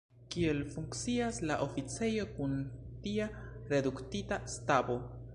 Kiel funkcias la oficejo kun tia reduktita stabo?